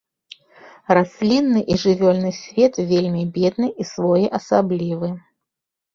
Раслінны і жывёльны свет вельмі бедны і своеасаблівы.